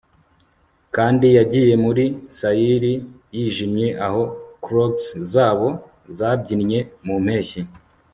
kandi yagiye muri sayiri yijimye aho clogs zabo zabyinnye mu mpeshyi